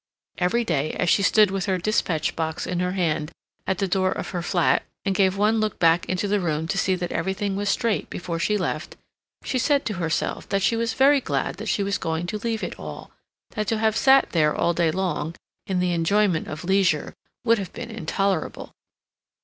Every day, as she stood with her dispatch box in her hand at the door of her flat, and gave one look back into the room to see that everything was straight before she left, she said to herself that she was very glad that she was going to leave it all, that to have sat there all day long, in the enjoyment of leisure, would have been intolerable.